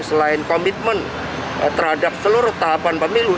selain komitmen terhadap seluruh tahapan pemilu